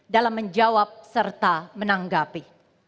dalam menjawab serta menanggapi